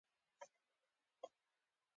زه نه غواړم چې نن شپه لیونۍ شې.